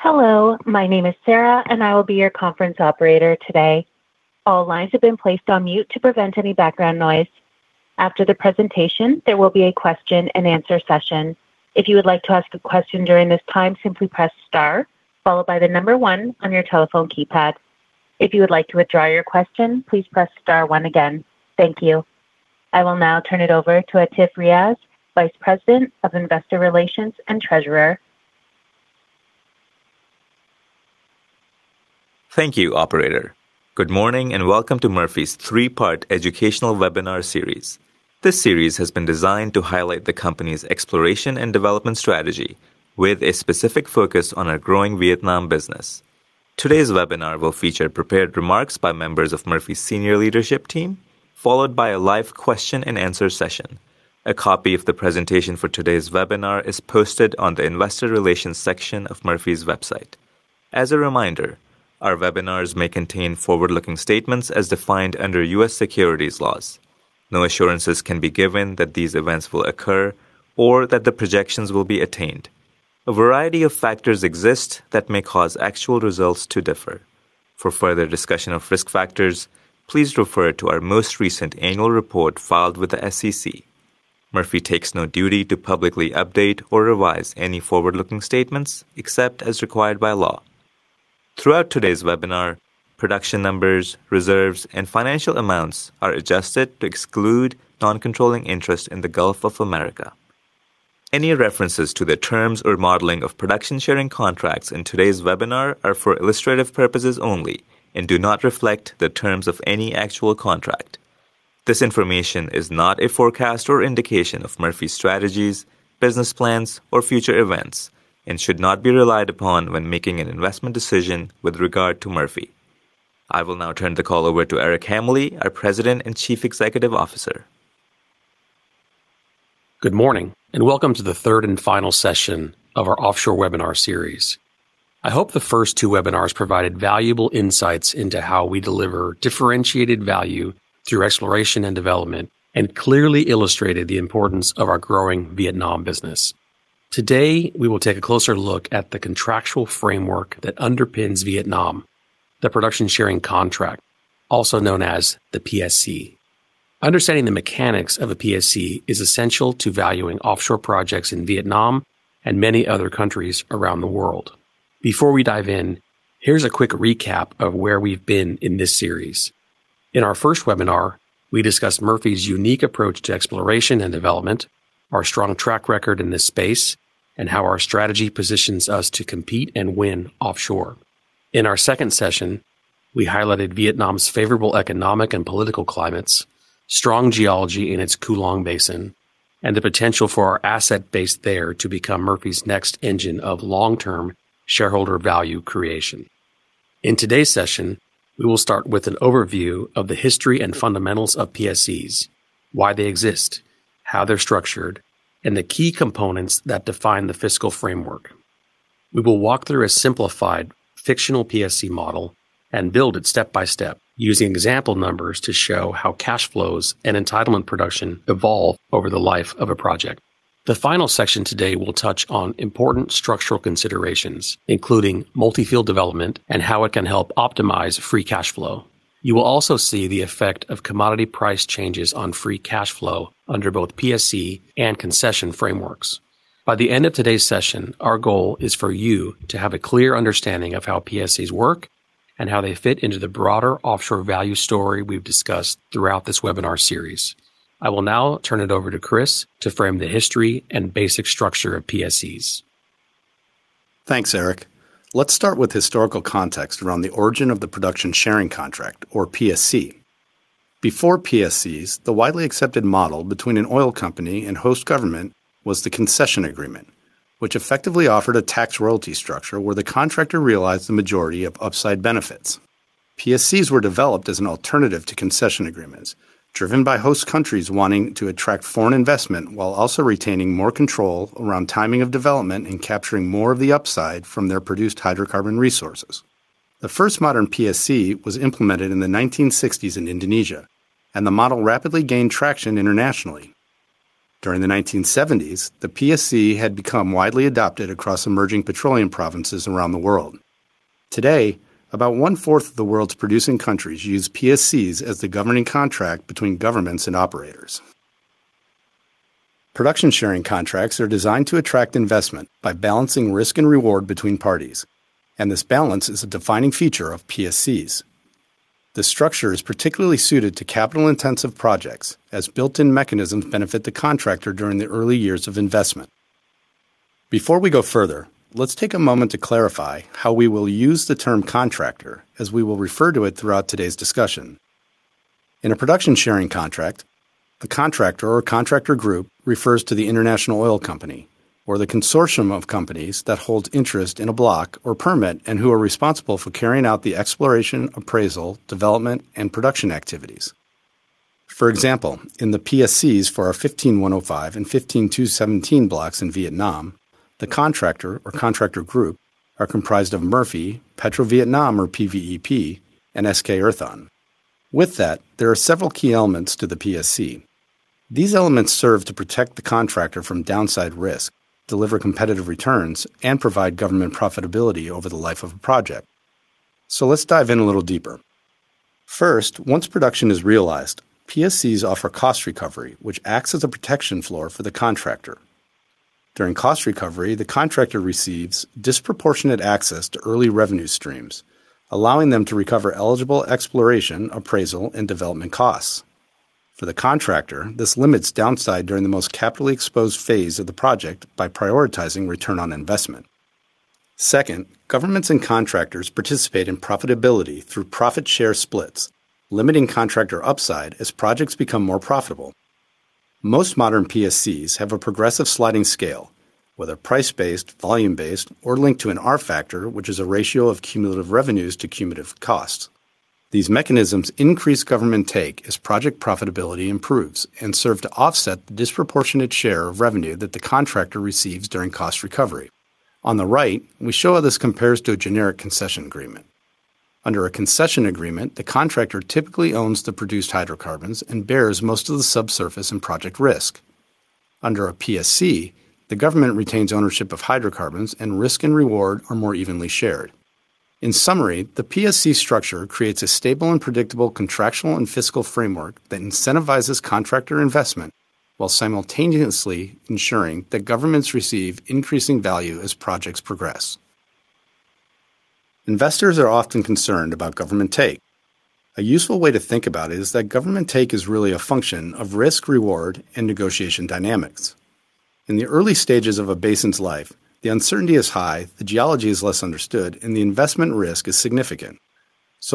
Hello, my name is Sarah, and I will be your conference operator today. All lines have been placed on mute to prevent any background noise. After the presentation, there will be a question-and-answer session. If you would like to ask a question during this time, simply press star followed by the number one on your telephone keypad. If you would like to withdraw your question, please press star one again. Thank you. I will now turn it over to Atif Riaz, Vice President, Investor Relations & Treasurer. Thank you, operator. Good morning, and welcome to Murphy's three-part educational webinar series. This series has been designed to highlight the company's exploration and development strategy with a specific focus on our growing Vietnam business. Today's webinar will feature prepared remarks by members of Murphy's senior leadership team, followed by a live question-and-answer session. A copy of the presentation for today's webinar is posted on the investor relations section of Murphy's website. As a reminder, our webinars may contain forward-looking statements as defined under U.S. securities laws. No assurances can be given that these events will occur or that the projections will be attained. A variety of factors exist that may cause actual results to differ. For further discussion of risk factors, please refer to our most recent annual report filed with the SEC. Murphy takes no duty to publicly update or revise any forward-looking statements except as required by law. Throughout today's webinar, production numbers, reserves, and financial amounts are adjusted to exclude non-controlling interest in the Gulf of Mexico. Any references to the terms or modeling of production sharing contracts in today's webinar are for illustrative purposes only and do not reflect the terms of any actual contract. This information is not a forecast or indication of Murphy's strategies, business plans, or future events and should not be relied upon when making an investment decision with regard to Murphy. I will now turn the call over to Eric Hambly, our President and Chief Executive Officer. Good morning, and welcome to the third and final session of our offshore webinar series. I hope the first two webinars provided valuable insights into how we deliver differentiated value through exploration and development and clearly illustrated the importance of our growing Vietnam business. Today, we will take a closer look at the contractual framework that underpins Vietnam, the production sharing contract, also known as the PSC. Understanding the mechanics of a PSC is essential to valuing offshore projects in Vietnam and many other countries around the world. Before we dive in, here's a quick recap of where we've been in this series. In our first webinar, we discussed Murphy's unique approach to exploration and development, our strong track record in this space, and how our strategy positions us to compete and win offshore. In our second session, we highlighted Vietnam's favorable economic and political climates, strong geology in its Cuu Long Basin, and the potential for our asset base there to become Murphy's next engine of long-term shareholder value creation. In today's session, we will start with an overview of the history and fundamentals of PSCs, why they exist, how they're structured, and the key components that define the fiscal framework. We will walk through a simplified fictional PSC model and build it step-by-step using example numbers to show how cash flows and entitlement production evolve over the life of a project. The final section today will touch on important structural considerations, including multi-field development and how it can help optimize free cash flow. You will also see the effect of commodity price changes on free cash flow under both PSC and concession frameworks. By the end of today's session, our goal is for you to have a clear understanding of how PSCs work and how they fit into the broader offshore value story we've discussed throughout this webinar series. I will now turn it over to Christopher to frame the history and basic structure of PSCs. Thanks, Eric. Let's start with historical context around the origin of the production sharing contract or PSC. Before PSCs, the widely accepted model between an oil company and host government was the concession agreement, which effectively offered a tax royalty structure where the contractor realized the majority of upside benefits. PSCs were developed as an alternative to concession agreements driven by host countries wanting to attract foreign investment while also retaining more control around timing of development and capturing more of the upside from their produced hydrocarbon resources. The first modern PSC was implemented in the 1960s in Indonesia, and the model rapidly gained traction internationally. During the 1970s, the PSC had become widely adopted across emerging petroleum provinces around the world. Today, about 1/4 of the world's producing countries use PSCs as the governing contract between governments and operators. Production sharing contracts are designed to attract investment by balancing risk and reward between parties, and this balance is a defining feature of PSCs. The structure is particularly suited to capital-intensive projects as built-in mechanisms benefit the contractor during the early years of investment. Before we go further, let's take a moment to clarify how we will use the term contractor as we will refer to it throughout today's discussion. In a production sharing contract, a contractor or contractor group refers to the international oil company or the consortium of companies that hold interest in a block or permit and who are responsible for carrying out the exploration, appraisal, development, and production activities. For example, in the PSCs for our 15-1/05 and 15-2/17 blocks in Vietnam, the contractor or contractor group are comprised of Murphy, PetroVietnam or PVEP, and SK Earthon. With that, there are several key elements to the PSC. These elements serve to protect the contractor from downside risk, deliver competitive returns, and provide government profitability over the life of a project. Let's dive in a little deeper. First, once production is realized, PSCs offer cost recovery, which acts as a protection floor for the contractor. During cost recovery, the contractor receives disproportionate access to early revenue streams, allowing them to recover eligible exploration, appraisal, and development costs. For the contractor, this limits downside during the most capitally exposed phase of the project by prioritizing return on investment. Second, governments and contractors participate in profitability through profit share splits, limiting contractor upside as projects become more profitable. Most modern PSCs have a progressive sliding scale, whether price-based, volume-based, or linked to an R factor, which is a ratio of cumulative revenues to cumulative costs. These mechanisms increase government take as project profitability improves and serve to offset the disproportionate share of revenue that the contractor receives during cost recovery. On the right, we show how this compares to a generic concession agreement. Under a concession agreement, the contractor typically owns the produced hydrocarbons and bears most of the subsurface and project risk. Under a PSC, the government retains ownership of hydrocarbons, and risk and reward are more evenly shared. In summary, the PSC structure creates a stable and predictable contractual and fiscal framework that incentivizes contractor investment while simultaneously ensuring that governments receive increasing value as projects progress. Investors are often concerned about government take. A useful way to think about it is that government take is really a function of risk, reward, and negotiation dynamics. In the early stages of a basin's life, the uncertainty is high, the geology is less understood, and the investment risk is significant.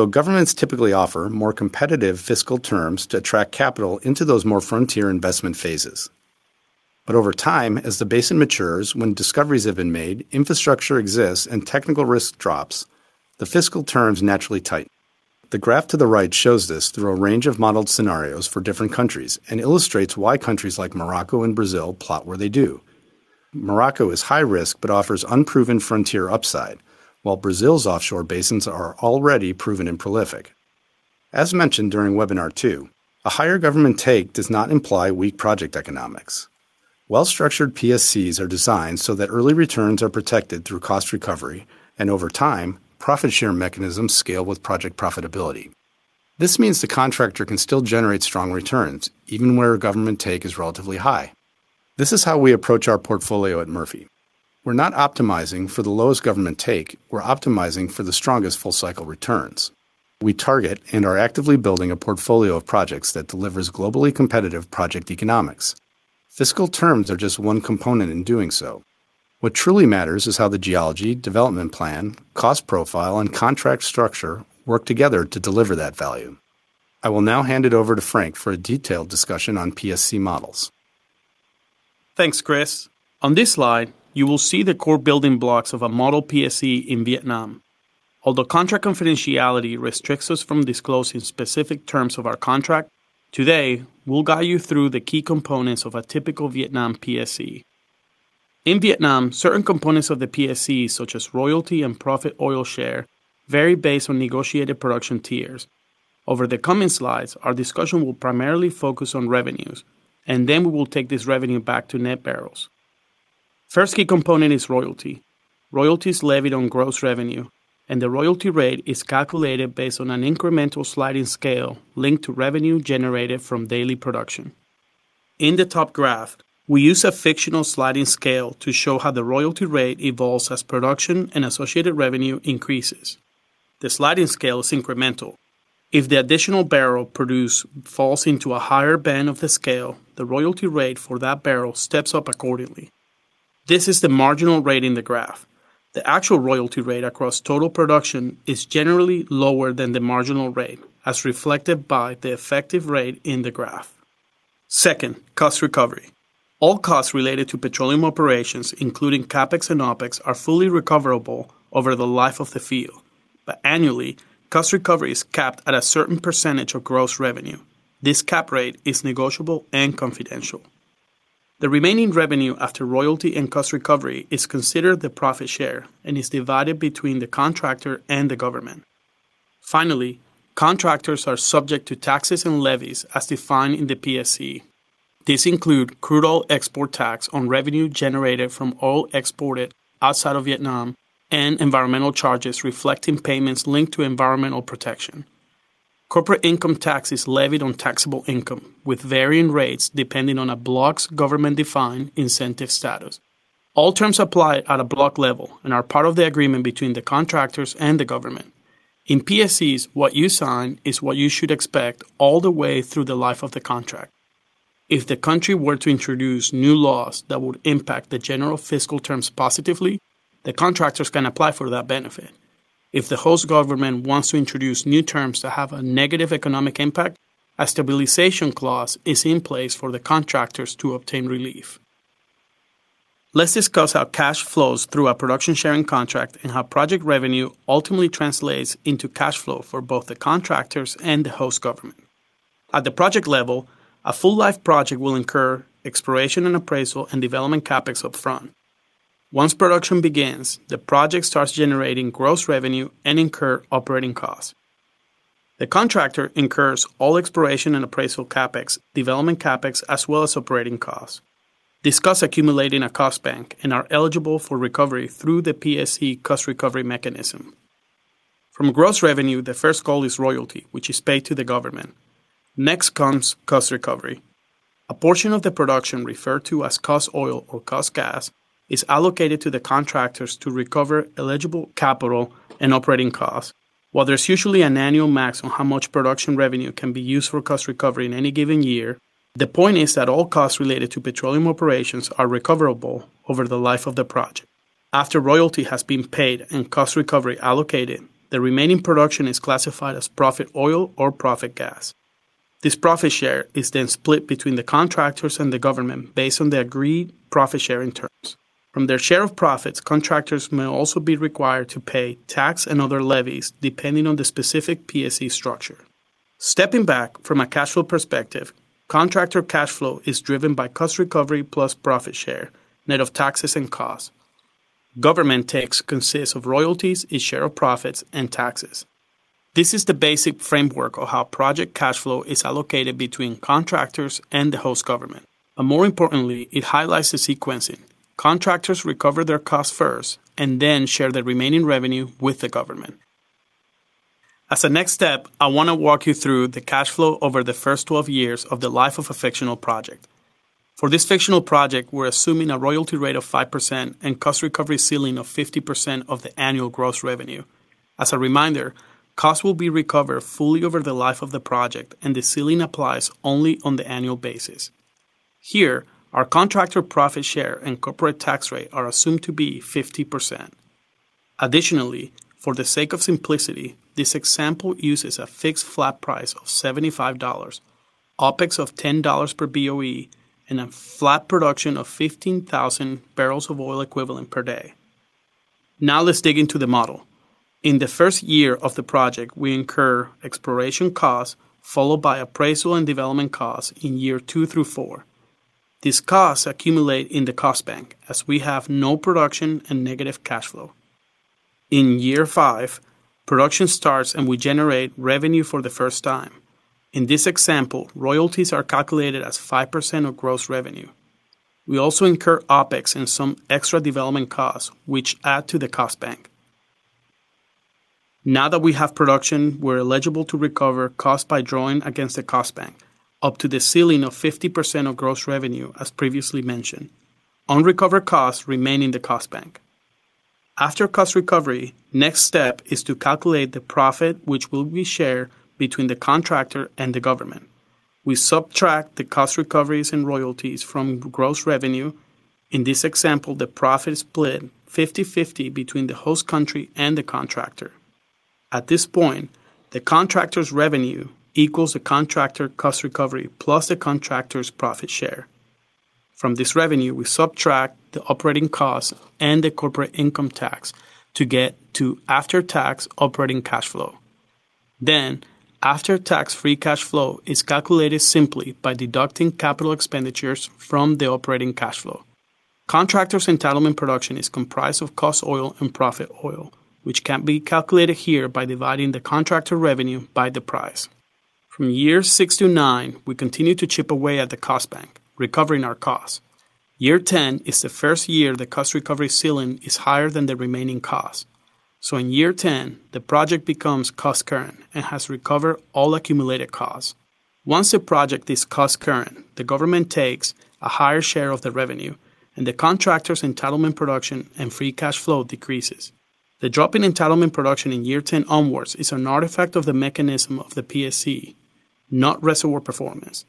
Governments typically offer more competitive fiscal terms to attract capital into those more frontier investment phases. Over time, as the basin matures, when discoveries have been made, infrastructure exists, and technical risk drops, the fiscal terms naturally tighten. The graph to the right shows this through a range of modeled scenarios for different countries and illustrates why countries like Morocco and Brazil plot where they do. Morocco is high risk but offers unproven frontier upside, while Brazil's offshore basins are already proven and prolific. As mentioned during webinar two, a higher government take does not imply weak project economics. Well-structured PSCs are designed so that early returns are protected through cost recovery, and over time, profit share mechanisms scale with project profitability. This means the contractor can still generate strong returns even where government take is relatively high. This is how we approach our portfolio at Murphy. We're not optimizing for the lowest government take. We're optimizing for the strongest full-cycle returns. We target and are actively building a portfolio of projects that delivers globally competitive project economics. Fiscal terms are just one component in doing so. What truly matters is how the geology, development plan, cost profile, and contract structure work together to deliver that value. I will now hand it over to Francisco for a detailed discussion on PSC models. Thanks, Christopher. On this slide, you will see the core building blocks of a model PSC in Vietnam. Although contract confidentiality restricts us from disclosing specific terms of our contract, today we'll guide you through the key components of a typical Vietnam PSC. In Vietnam, certain components of the PSC, such as royalty and profit oil share, vary based on negotiated production tiers. Over the coming slides, our discussion will primarily focus on revenues, and then we will take this revenue back to net barrels. First key component is royalty. Royalty is levied on gross revenue, and the royalty rate is calculated based on an incremental sliding scale linked to revenue generated from daily production. In the top graph, we use a fictional sliding scale to show how the royalty rate evolves as production and associated revenue increases. The sliding scale is incremental. If the additional barrel produced falls into a higher band of the scale, the royalty rate for that barrel steps up accordingly. This is the marginal rate in the graph. The actual royalty rate across total production is generally lower than the marginal rate, as reflected by the effective rate in the graph. Second, cost recovery. All costs related to petroleum operations, including CapEx and OpEx, are fully recoverable over the life of the field. Annually, cost recovery is capped at a certain percentage of gross revenue. This cap rate is negotiable and confidential. The remaining revenue after royalty and cost recovery is considered the profit share and is divided between the contractor and the government. Finally, contractors are subject to taxes and levies as defined in the PSC. These include crude oil export tax on revenue generated from oil exported outside of Vietnam and environmental charges reflecting payments linked to environmental protection. Corporate income tax is levied on taxable income, with varying rates depending on a block's government-defined incentive status. All terms apply at a block level and are part of the agreement between the contractors and the government. In PSCs, what you sign is what you should expect all the way through the life of the contract. If the country were to introduce new laws that would impact the general fiscal terms positively, the contractors can apply for that benefit. If the host government wants to introduce new terms that have a negative economic impact, a stabilization clause is in place for the contractors to obtain relief. Let's discuss how cash flows through a production sharing contract and how project revenue ultimately translates into cash flow for both the contractors and the host government. At the project level, a full life project will incur exploration and appraisal and development CapEx upfront. Once production begins, the project starts generating gross revenue and incur operating costs. The contractor incurs all exploration and appraisal CapEx, development CapEx, as well as operating costs. These costs accumulate in a cost bank and are eligible for recovery through the PSC cost recovery mechanism. From gross revenue, the first call is royalty, which is paid to the government. Next comes cost recovery. A portion of the production referred to as cost oil or cost gas is allocated to the contractors to recover eligible capital and operating costs. While there's usually an annual max on how much production revenue can be used for cost recovery in any given year, the point is that all costs related to petroleum operations are recoverable over the life of the project. After royalty has been paid and cost recovery allocated, the remaining production is classified as profit oil or profit gas. This profit share is then split between the contractors and the government based on the agreed profit-sharing terms. From their share of profits, contractors may also be required to pay tax and other levies depending on the specific PSC structure. Stepping back from a cash flow perspective, contractor cash flow is driven by cost recovery plus profit share, net of taxes and costs. Government take consists of royalties, its share of profits, and taxes. This is the basic framework of how project cash flow is allocated between contractors and the host government. More importantly, it highlights the sequencing. Contractors recover their costs first and then share the remaining revenue with the government. As a next step, I want to walk you through the cash flow over the first 12 years of the life of a fictional project. For this fictional project, we're assuming a royalty rate of 5% and cost recovery ceiling of 50% of the annual gross revenue. As a reminder, costs will be recovered fully over the life of the project, and the ceiling applies only on the annual basis. Here, our contractor profit share and corporate tax rate are assumed to be 50%. Additionally, for the sake of simplicity, this example uses a fixed flat price of $75, OpEx of $10 per Boe, and a flat production of 15,000 barrels of oil equivalent per day. Now let's dig into the model. In the first year of the project, we incur exploration costs followed by appraisal and development costs in year two through year four. These costs accumulate in the cost bank as we have no production and negative cash flow. In year five, production starts, and we generate revenue for the first time. In this example, royalties are calculated as 5% of gross revenue. We also incur OpEx and some extra development costs which add to the cost bank. Now that we have production, we're eligible to recover costs by drawing against the cost bank, up to the ceiling of 50% of gross revenue, as previously mentioned. Unrecovered costs remain in the cost bank. After cost recovery, next step is to calculate the profit which will be shared between the contractor and the government. We subtract the cost recoveries and royalties from gross revenue. In this example, the profit is split 50/50 between the host country and the contractor. At this point, the contractor's revenue equals the contractor cost recovery plus the contractor's profit share. From this revenue, we subtract the operating costs and the corporate income tax to get to after-tax operating cash flow. Then after-tax free cash flow is calculated simply by deducting capital expenditures from the operating cash flow. Contractor's entitlement production is comprised of cost oil and profit oil, which can be calculated here by dividing the contractor revenue by the price. From years six to year nine, we continue to chip away at the cost bank, recovering our costs. Year 10 is the first year the cost recovery ceiling is higher than the remaining cost. In year 10, the project becomes cost current and has recovered all accumulated costs. Once the project is cost current, the government takes a higher share of the revenue, and the contractor's entitlement production and free cash flow decreases. The drop in entitlement production in year 10 onwards is an artifact of the mechanism of the PSC, not reservoir performance.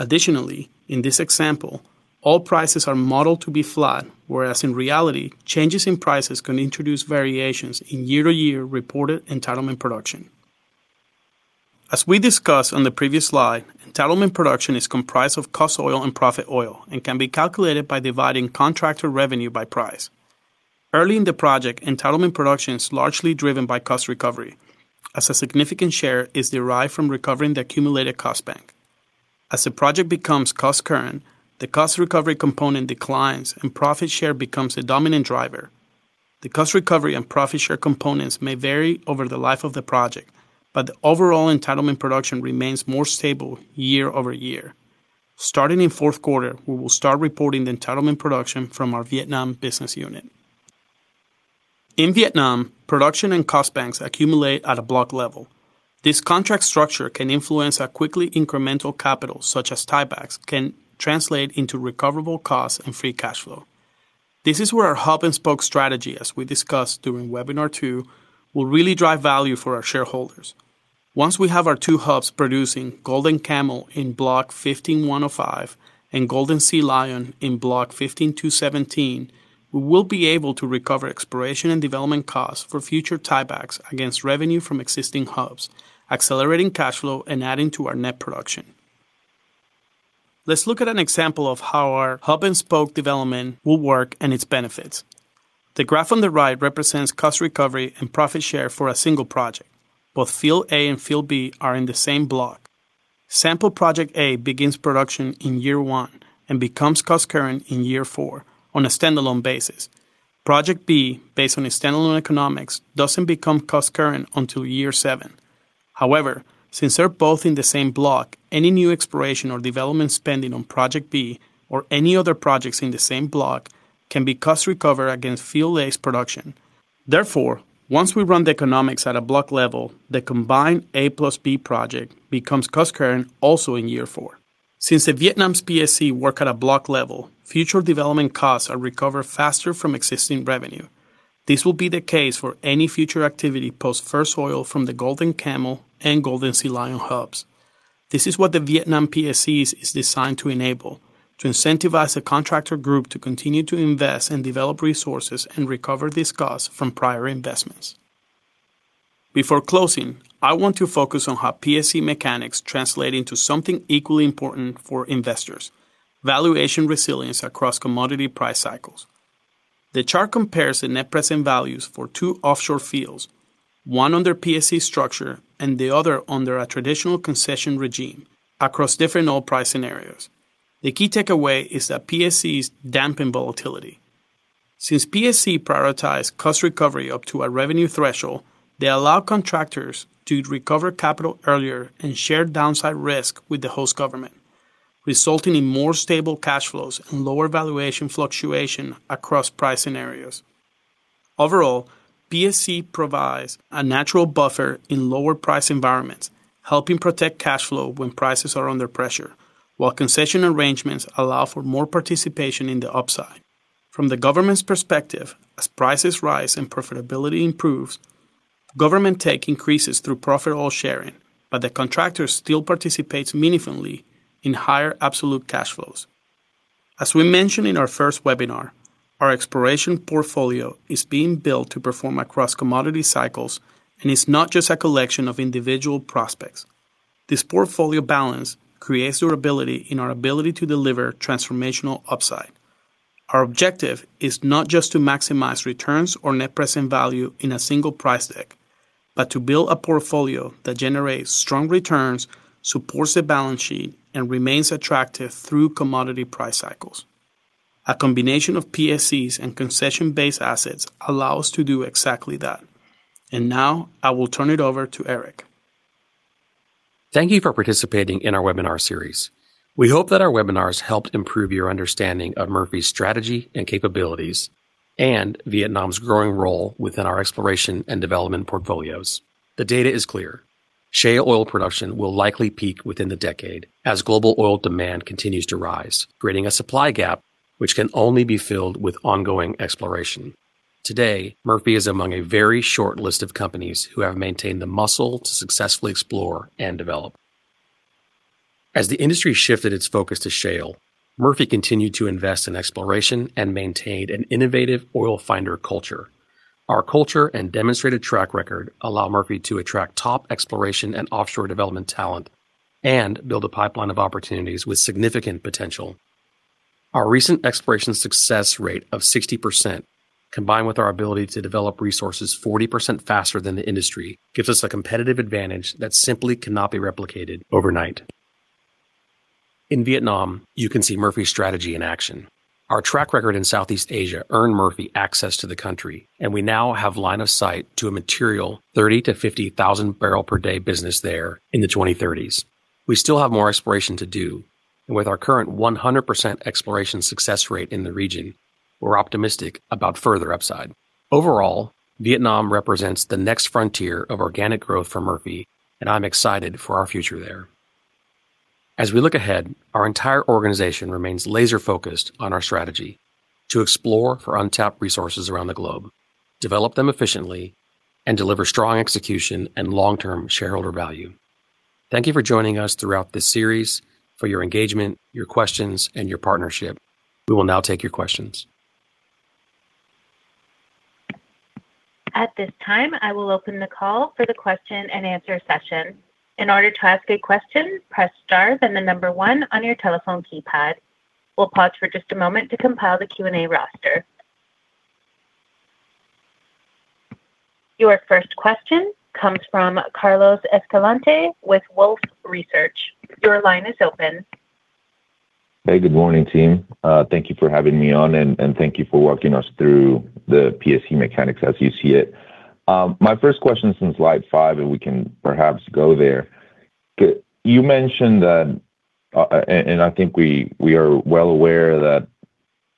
Additionally, in this example, all prices are modeled to be flat, whereas in reality, changes in prices can introduce variations in year-to-year reported entitlement production. As we discussed on the previous slide, entitlement production is comprised of cost oil and profit oil and can be calculated by dividing contractor revenue by price. Early in the project, entitlement production is largely driven by cost recovery, as a significant share is derived from recovering the accumulated cost bank. As the project becomes cost current, the cost recovery component declines, and profit share becomes the dominant driver. The cost recovery and profit share components may vary over the life of the project, but the overall entitlement production remains more stable YoY. Starting in Q4, we will start reporting the entitlement production from our Vietnam business unit. In Vietnam, production and cost banks accumulate at a block level. This contract structure can influence how quickly incremental capital, such as tiebacks, can translate into recoverable costs and free cash flow. This is where our hub and spoke strategy, as we discussed during webinar two, will really drive value for our shareholders. Once we have our two hubs producing Golden Camel in Block 15-1/05 and Golden Sea Lion in Block 15-2/17, we will be able to recover exploration and development costs for future tiebacks against revenue from existing hubs, accelerating cash flow and adding to our net production. Let's look at an example of how our hub-and-spoke development will work and its benefits. The graph on the right represents cost recovery and profit share for a single project. Both Field A and Field B are in the same block. Sample Project A begins production in year one and becomes cost current in year four on a standalone basis. Project B, based on its standalone economics, doesn't become cost current until year seven. However, since they're both in the same block, any new exploration or development spending on Project B or any other projects in the same block can be cost recovered against Field A's production. Therefore, once we run the economics at a block level, the combined A+B project becomes cost current also in year four. Since Vietnam's PSCs work at a block level, future development costs are recovered faster from existing revenue. This will be the case for any future activity post first oil from the Golden Camel and Golden Sea Lion hubs. This is what the Vietnam PSCs is designed to enable, to incentivize the contractor group to continue to invest and develop resources and recover these costs from prior investments. Before closing, I want to focus on how PSC mechanics translate into something equally important for investors, valuation resilience across commodity price cycles. The chart compares the net present values for two offshore fields, one under PSC structure and the other under a traditional concession regime across different oil price scenarios. The key takeaway is that PSCs dampen volatility. Since PSC prioritize cost recovery up to a revenue threshold, they allow contractors to recover capital earlier and share downside risk with the host government, resulting in more stable cash flows and lower valuation fluctuation across price scenarios. Overall, PSC provides a natural buffer in lower price environments, helping protect cash flow when prices are under pressure, while concession arrangements allow for more participation in the upside. From the government's perspective, as prices rise and profitability improves, government take increases through profit oil sharing, but the contractor still participates meaningfully in higher absolute cash flows. As we mentioned in our first webinar, our exploration portfolio is being built to perform across commodity cycles and is not just a collection of individual prospects. This portfolio balance creates durability in our ability to deliver transformational upside. Our objective is not just to maximize returns or net present value in a single price deck, but to build a portfolio that generates strong returns, supports the balance sheet, and remains attractive through commodity price cycles. A combination of PSCs and concession-based assets allow us to do exactly that. Now I will turn it over to Eric. Thank you for participating in our webinar series. We hope that our webinars helped improve your understanding of Murphy's strategy and capabilities and Vietnam's growing role within our exploration and development portfolios. The data is clear. Shale oil production will likely peak within the decade as global oil demand continues to rise, creating a supply gap which can only be filled with ongoing exploration. Today, Murphy is among a very short list of companies who have maintained the muscle to successfully explore and develop. As the industry shifted its focus to shale, Murphy continued to invest in exploration and maintained an innovative oil finder culture. Our culture and demonstrated track record allow Murphy to attract top exploration and offshore development talent and build a pipeline of opportunities with significant potential. Our recent exploration success rate of 60%, combined with our ability to develop resources 40% faster than the industry, gives us a competitive advantage that simply cannot be replicated overnight. In Vietnam, you can see Murphy's strategy in action. Our track record in Southeast Asia earned Murphy access to the country, and we now have line of sight to a material 30,000 barrel-50,000 barrel per day business there in the 2030s. We still have more exploration to do, and with our current 100% exploration success rate in the region, we're optimistic about further upside. Overall, Vietnam represents the next frontier of organic growth for Murphy, and I'm excited for our future there. As we look ahead, our entire organization remains laser-focused on our strategy to explore for untapped resources around the globe, develop them efficiently, and deliver strong execution and long-term shareholder value. Thank you for joining us throughout this series, for your engagement, your questions, and your partnership. We will now take your questions. At this time, I will open the call for the question and answer session. In order to ask a question, press star then the number one on your telephone keypad. We'll pause for just a moment to compile the Q&A roster. Your first question comes from Carlos Escalante with Wolfe Research. Your line is open. Hey, good morning, team. Thank you for having me on and thank you for walking us through the PSC mechanics as you see it. My first question is on slide five, if we can perhaps go there. You mentioned that and I think we are well aware that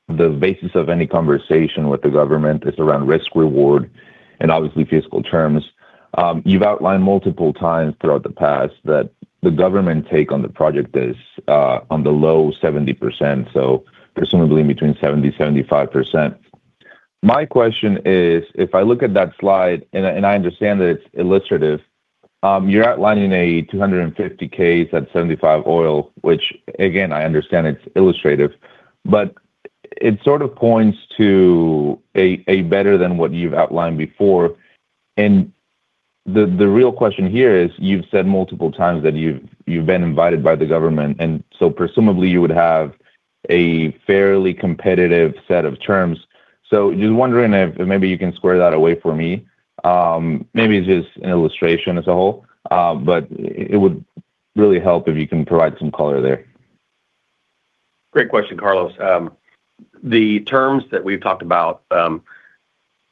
the basis of any conversation with the government is around risk reward and obviously fiscal terms. You've outlined multiple times throughout the past that the government take on the project is on the low 70%, so presumably between 70%-75%. My question is, if I look at that slide, and I understand that it's illustrative, you're outlining a 250 case at $75 oil, which again, I understand it's illustrative, but it sort of points to a better than what you've outlined before. The real question here is, you've said multiple times that you've been invited by the government, and so presumably you would have a fairly competitive set of terms. Just wondering if maybe you can square that away for me. Maybe it's just an illustration as a whole, but it would really help if you can provide some color there. Great question, Carlos. The terms that we've talked about,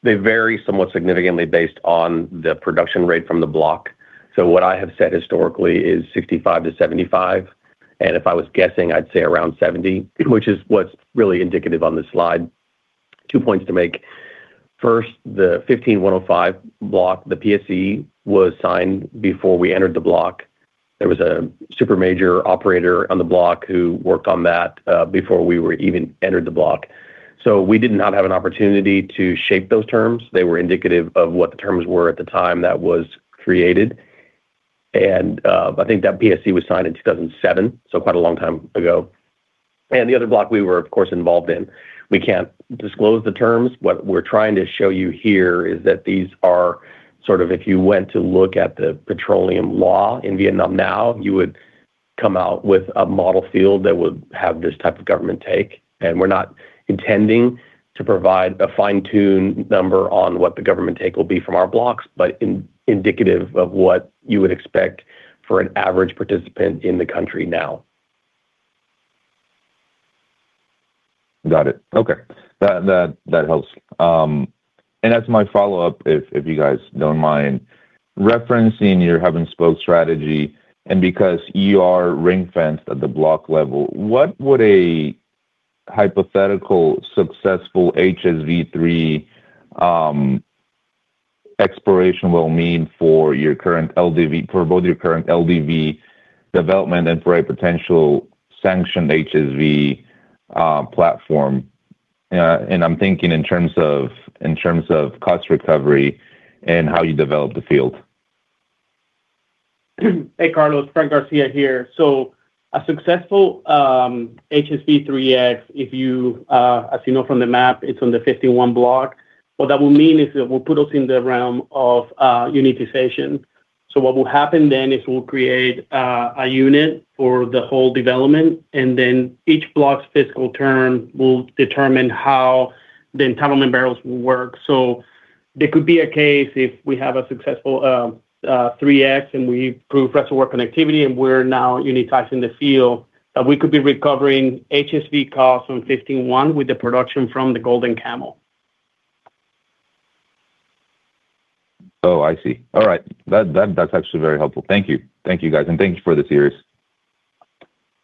they vary somewhat significantly based on the production rate from the block. What I have said historically is 65%-75%, and if I was guessing, I'd say around 70%, which is what's really indicative on this slide. Two points to make. First, the 15-1/05 block, the PSC was signed before we entered the block. There was a supermajor operator on the block who worked on that, before we were even entered the block. We did not have an opportunity to shape those terms. They were indicative of what the terms were at the time that was created. I think that PSC was signed in 2007, so quite a long time ago. The other block we were, of course, involved in, we can't disclose the terms. What we're trying to show you here is that these are sort of if you went to look at the petroleum law in Vietnam now, you would come out with a model field that would have this type of government take. We're not intending to provide a fine-tuned number on what the government take will be from our blocks, but indicative of what you would expect for an average participant in the country now. Got it. Okay. That helps. And as my follow-up, if you guys don't mind, referencing your hub and spoke strategy, and because you are ring-fenced at the block level, what would a hypothetical successful HSV-3X exploration will mean for both your current LDV development and for a potential sanctioned HSV platform? And I'm thinking in terms of cost recovery and how you develop the field. Hey, Carlos. Francisco Garcia here. A successful HSV-3X, if you, as you know from the map, it's on the 15-1 block. What that will mean is it will put us in the realm of unitization. What will happen then is we'll create a unit for the whole development, and then each block's fiscal term will determine how the entitlement barrels will work. There could be a case if we have a successful 3X and we prove reservoir connectivity, and we're now unitizing the field, that we could be recovering HSV costs from 15-1 with the production from the Lac Da Vang. Oh, I see. All right. That's actually very helpful. Thank you. Thank you, guys. Thank you for the series.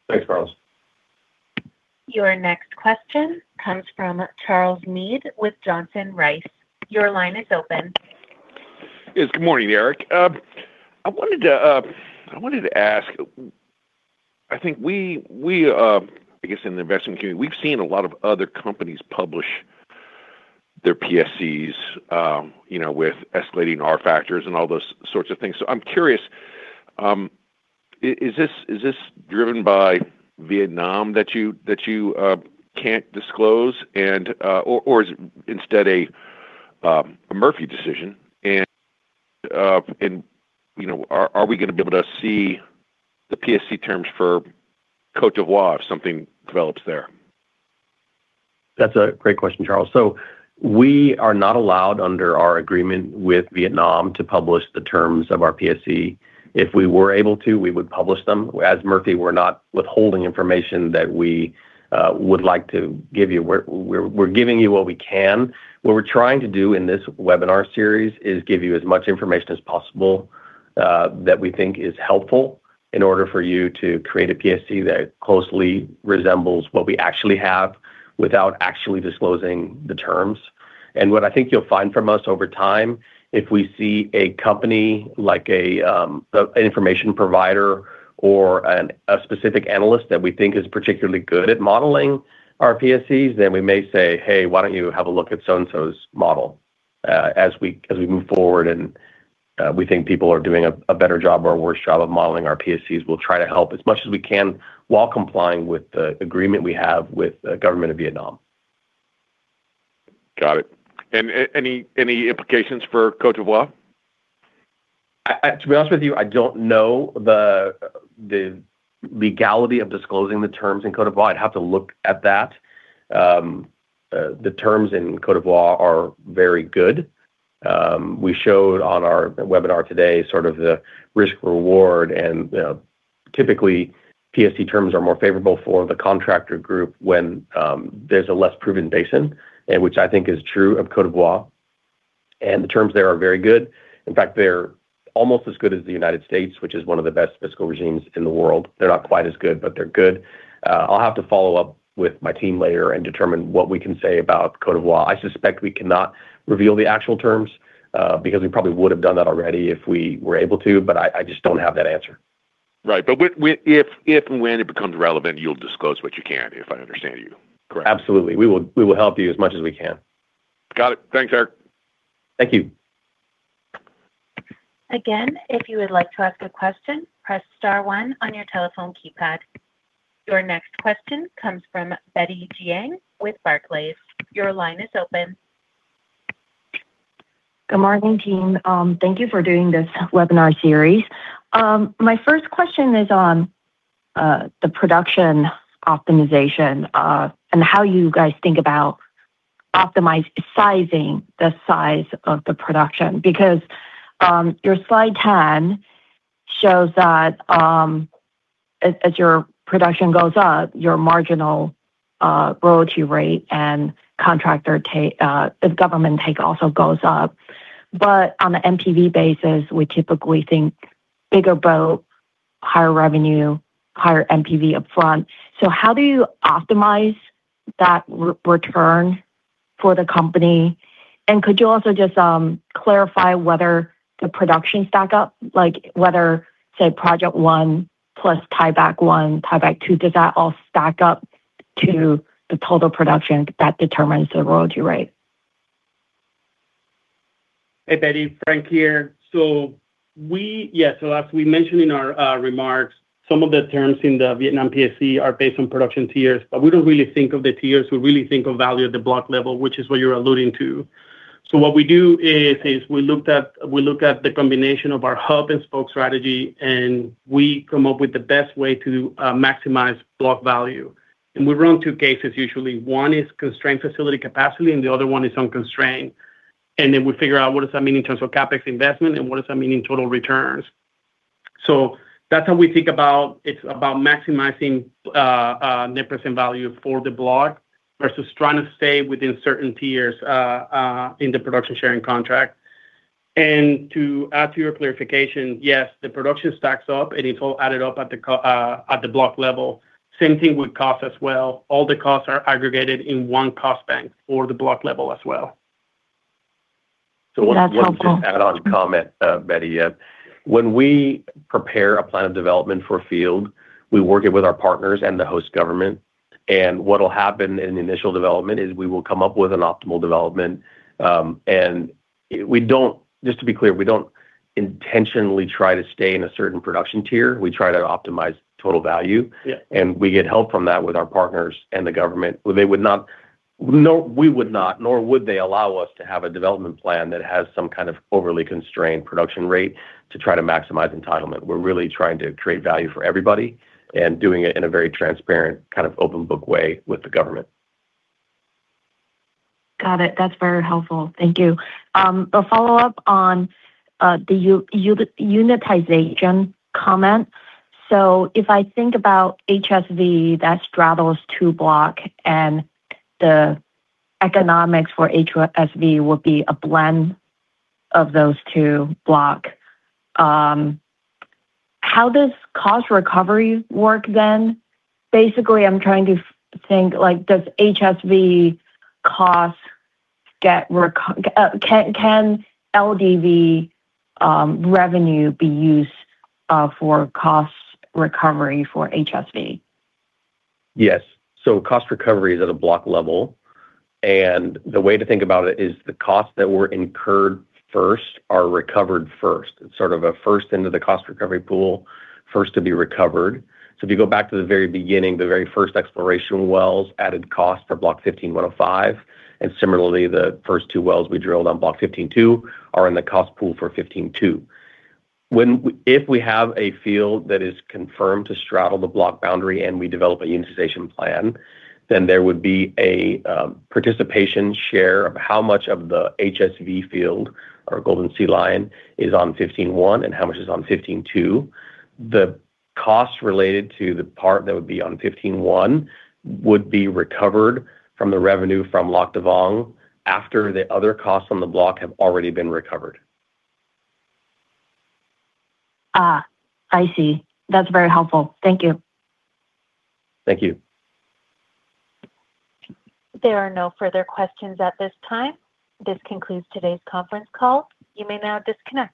Thanks, Carlos. Your next question comes from Charles Meade with Johnson Rice. Your line is open. Yes. Good morning, Eric. I wanted to ask, I think we, I guess in the investment community, we've seen a lot of other companies publish their PSCs, you know, with escalating R factors and all those sorts of things. So I'm curious, is this driven by Vietnam that you can't disclose and, or is it instead a Murphy decision? You know, are we gonna be able to see the PSC terms for Côte d'Ivoire if something develops there? That's a great question, Charles. We are not allowed under our agreement with Vietnam to publish the terms of our PSC. If we were able to, we would publish them. As Murphy, we're not withholding information that we would like to give you. We're giving you what we can. What we're trying to do in this webinar series is give you as much information as possible that we think is helpful in order for you to create a PSC that closely resembles what we actually have without actually disclosing the terms. What I think you'll find from us over time, if we see a company like an information provider or a specific analyst that we think is particularly good at modeling our PSCs, then we may say, "Hey, why don't you have a look at so-and-so's model?" As we move forward and we think people are doing a better job or a worse job of modeling our PSCs, we'll try to help as much as we can while complying with the agreement we have with the government of Vietnam. Got it. Any implications for Côte d'Ivoire? To be honest with you, I don't know the legality of disclosing the terms in Côte d'Ivoire. I'd have to look at that. The terms in Côte d'Ivoire are very good. We showed on our webinar today sort of the risk reward, and typically PSC terms are more favorable for the contractor group when there's a less proven basin, and which I think is true of Côte d'Ivoire. The terms there are very good. In fact, they're almost as good as the United States, which is one of the best fiscal regimes in the world. They're not quite as good, but they're good. I'll have to follow up with my team later and determine what we can say about Côte d'Ivoire. I suspect we cannot reveal the actual terms because we probably would have done that already if we were able to, but I just don't have that answer. Right. If and when it becomes relevant, you'll disclose what you can, if I understand you correctly. Absolutely. We will help you as much as we can. Got it. Thanks, Eric. Thank you. Your next question comes from Betty Jiang with Barclays. Your line is open. Good morning, team. Thank you for doing this webinar series. My first question is on the production optimization and how you guys think about sizing the size of the production. Because your slide 10 shows that as your production goes up, your marginal royalty rate and the government take also goes up. But on the NPV basis, we typically think bigger boat, higher revenue, higher NPV upfront. So how do you optimize that return for the company? And could you also just clarify whether the production stacks up, like whether, say, project 1 plus tieback 1, tieback 2, does that all stack up to the total production that determines the royalty rate? Hey, Betty, Francisco here. As we mentioned in our remarks, some of the terms in the Vietnam PSC are based on production tiers. We don't really think of the tiers. We really think of value at the block level, which is what you're alluding to. What we do is we look at the combination of our hub-and-spoke strategy, and we come up with the best way to maximize block value. We run two cases usually. One is constrained facility capacity, and the other one is unconstrained. Then we figure out what does that mean in terms of CapEx investment and what does that mean in total returns. That's how we think about maximizing net present value for the block versus trying to stay within certain tiers in the production sharing contract. To add to your clarification, yes, the production stacks up, and it's all added up at the block level. Same thing with cost as well. All the costs are aggregated in one cost bank for the block level as well. That's helpful. Let me just add one comment, Betty. Yeah. When we prepare a plan of development for a field, we work it with our partners and the host government. What'll happen in the initial development is we will come up with an optimal development. Just to be clear, we don't intentionally try to stay in a certain production tier. We try to optimize total value. Yeah. We get help from that with our partners and the government. Well, we would not, nor would they allow us to have a development plan that has some kind of overly constrained production rate to try to maximize entitlement. We're really trying to create value for everybody and doing it in a very transparent, kind of open book way with the government. Got it. That's very helpful. Thank you. A follow-up on the unitization comment. If I think about HSV that straddles two blocks and the economics for HSV will be a blend of those two blocks, how does cost recovery work then? Basically, I'm trying to think, like, does HSV costs get recovered? Can LDV revenue be used for cost recovery for HSV? Yes. Cost recovery is at a block level, and the way to think about it is the costs that were incurred first are recovered first. It's sort of a first into the cost recovery pool, first to be recovered. If you go back to the very beginning, the very first exploration wells added cost for Block 15-1/05, and similarly, the first two wells we drilled on Block 15-2/17 are in the cost pool for Block 15-2/17. If we have a field that is confirmed to straddle the block boundary and we develop a unitization plan, then there would be a participation share of how much of the HSV field or Golden Sea Lion is on Block 15-1/05 and how much is on Block 15-2/17. The cost related to the part that would be on Block 15-1 would be recovered from the revenue from Lac Da Vang after the other costs on the block have already been recovered. I see. That's very helpful. Thank you. Thank you. There are no further questions at this time. This concludes today's conference call. You may now disconnect.